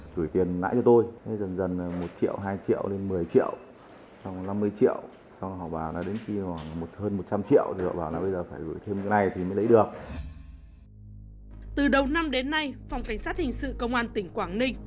từ đầu năm đến nay phòng cảnh sát hình sự công an tỉnh quảng ninh